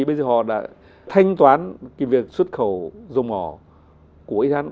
bây giờ họ đã thanh toán cái việc xuất khẩu dầu mỏ của iran